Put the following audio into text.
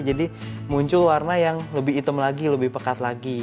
jadi muncul warna yang lebih hitam lagi lebih pekat lagi